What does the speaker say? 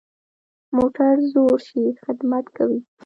موټر زوړ شي، خدمت کموي.